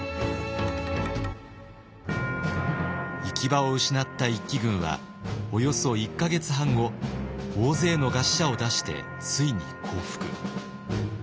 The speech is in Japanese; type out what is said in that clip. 行き場を失った一揆軍はおよそ１か月半後大勢の餓死者を出してついに降伏。